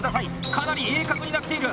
かなり鋭角になっている！